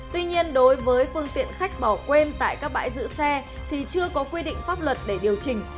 tuy nhiên đối với phương tiện khách bỏ quên tại các bãi giữ xe thì chưa có quy định pháp luật để điều chỉnh